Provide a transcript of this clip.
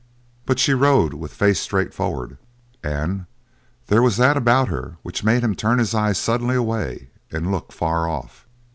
But she rode with face straightforward and there was that about her which made him turn his eyes suddenly away and look far off.